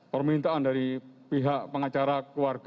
permintaan dari pihak pengacara keluarga